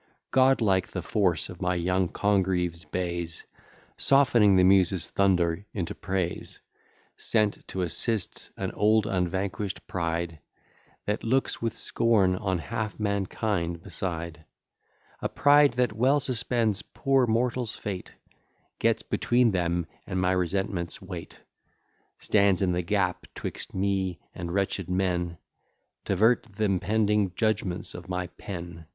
Godlike the force of my young Congreve's bays, Softening the Muse's thunder into praise; Sent to assist an old unvanquish'd pride That looks with scorn on half mankind beside; A pride that well suspends poor mortals' fate, Gets between them and my resentment's weight, Stands in the gap 'twixt me and wretched men, T'avert th'impending judgments of my pen.